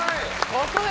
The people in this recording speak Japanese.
ここで。